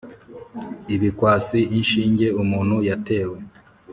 ibikwasi, inshinge umuntu yatewe